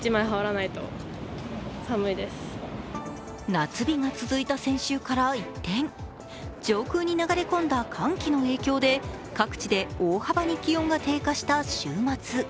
夏日が続いた先週から一転、上空に流れ込んだ寒気の影響で各地で大幅に気温が低下した週末。